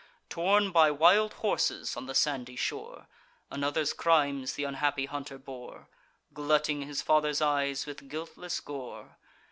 Torn by wild horses on the sandy shore, Another's crimes th' unhappy hunter bore, Glutting his father's eyes with guiltless gore.